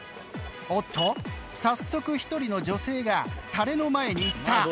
おっと早速１人の女性がたれの前に行った。